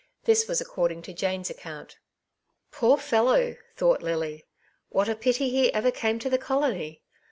This was according to Jane's account. '^ Poor fellow !" thought Lily. ''What a pity he ever came to the colony